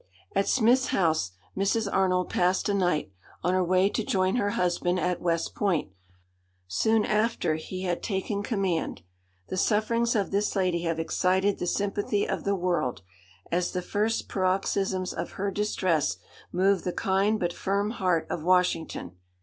At Smith's house Mrs. Arnold passed a night, on her way to join her husband at West Point, soon after he had taken command. The sufferings of this lady have excited the sympathy of the world, as the first paroxysms of her distress moved the kind but firm heart of Washington.